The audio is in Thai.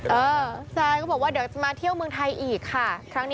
เออซายก็บอกว่าเดี๋ยวจะมาเที่ยวเมืองไทยอีกค่ะครั้งนี้